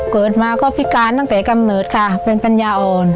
เกิดมาก็พิการตั้งแต่กำเนิดค่ะเป็นปัญญาอ่อน